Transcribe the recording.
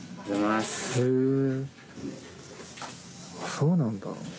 へぇそうなんだ。